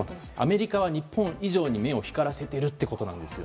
アメリカは日本以上に目を光らせているということです。